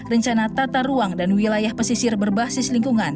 rencana tata ruang dan wilayah pesisir berbasis lingkungan